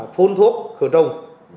phun thuốc khử trùng